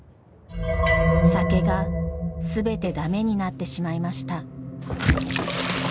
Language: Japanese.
酒が全て駄目になってしまいました。